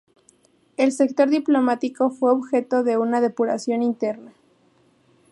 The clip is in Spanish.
El sector diplomático fue objeto de una depuración interna.